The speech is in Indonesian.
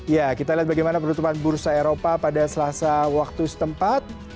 ya kita lihat bagaimana penutupan bursa eropa pada selasa waktu setempat